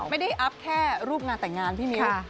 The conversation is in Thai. อัพแค่รูปงานแต่งงานพี่มิ้ว